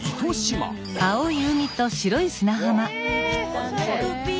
おしゃれ。